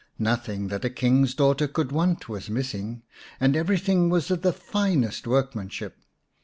Nothing that a King's daughter could want was missing, and everything was of the finest workmanship.